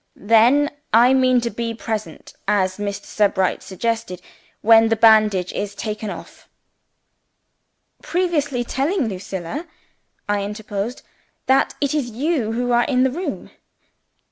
"Then I mean to be present as Mr. Sebright suggested when the bandage is taken off." "Previously telling Lucilla," I interposed, "that it is you who are in the room?"